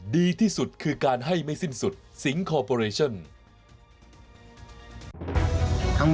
ดีที่สุดคือการให้ไม่สิ้นสุดสิงคอร์ปอเรชั่น